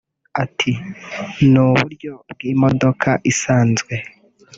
At "Ni uburyo bw’imodoka isanzwe